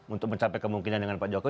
untuk mencapai kemungkinan dengan pak jokowi